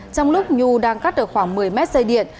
trong lúc nhu đang cắt được khoảng một mươi mét dây điện